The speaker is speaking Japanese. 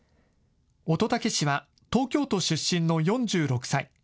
乙武氏は東京都出身の４６歳。